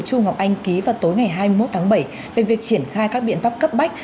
chu ngọc anh ký vào tối ngày hai mươi một tháng bảy về việc triển khai các biện pháp cấp bách